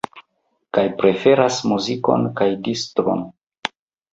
Kaj preferas amuzon kaj distron.